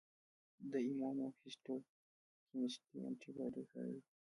د ایمونوهیسټوکیمسټري انټي باډي کاروي.